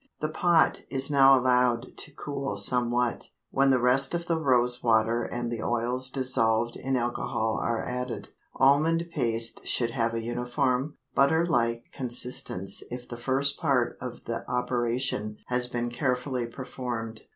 The pot is now allowed to cool somewhat, when the rest of the rose water and the oils dissolved in alcohol are added. Almond paste should have a uniform, butter like consistence if the first part of the operation has been carefully performed.